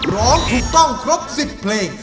ร้องถูกต้องครบ๑๐เพลง